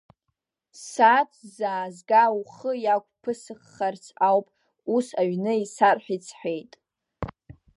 Ссааҭ заазга ухы иақәԥысххаарц ауп, ус аҩны исарҳәеит, — сҳәеит.